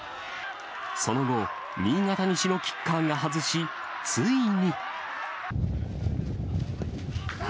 その後、新潟西のキッカーが外し、ついに。